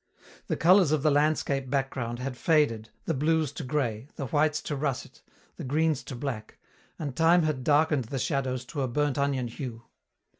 The colours of the landscape background had faded, the blues to grey, the whites to russet, the greens to black, and time had darkened the shadows to a burnt onion hue.